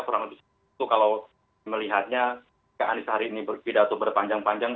kurang lebih itu kalau melihatnya kak anies hari ini berpidato berpanjang panjang